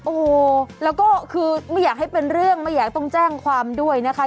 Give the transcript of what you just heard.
โอ้โหแล้วก็คือไม่อยากให้เป็นเรื่องไม่อยากต้องแจ้งความด้วยนะคะ